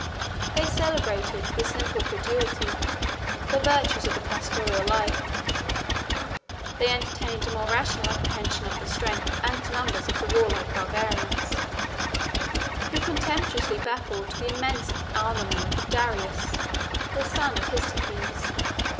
They celebrated, with simple credulity, the virtues of the pastoral life: 17 they entertained a more rational apprehension of the strength and numbers of the warlike Barbarians, 18 who contemptuously baffled the immense armament of Darius, the son of Hystaspes.